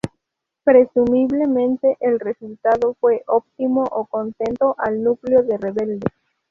Presumiblemente, el resultado fue óptimo o contentó al núcleo de rebeldes.